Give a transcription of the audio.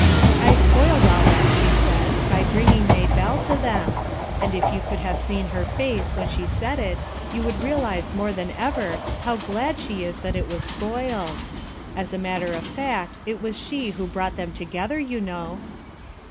I spoiled all that, she says, by bringing Maybelle to them, and if you could have seen 16 FOUR MOTHERS AT CHAUTAUQUA her face when she said it you would realize more than ever how glad she is that it was spoiled. As a matter of fact it was she who brought them together, you know."